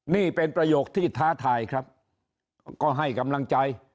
นี่เป็นประโยคที่ท้าทายครับก็ให้กำลังใจ